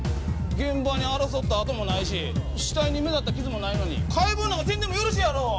現場に争った跡もないし死体に目立った傷もないのに解剖なんかせんでもよろしいやろ！